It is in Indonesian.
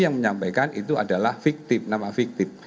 yang menyampaikan itu adalah fiktif